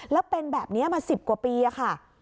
แล้วเป็นแบบนี้มา๑๐กว่าปีค่ะ